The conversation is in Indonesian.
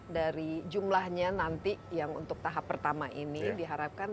dari jumlahnya nanti yang untuk tahap pertama ini diharapkan